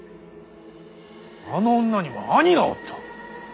あの女には兄がおった。